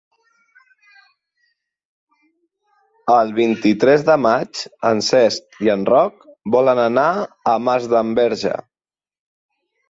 El vint-i-tres de maig en Cesc i en Roc volen anar a Masdenverge.